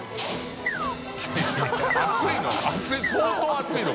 熱いの？